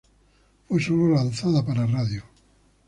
Fue sólo lanzada para radio.